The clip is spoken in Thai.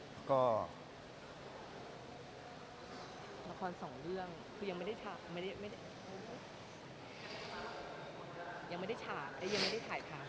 ละคร๒เรื่องคือยังไม่ได้ถ่ายทาง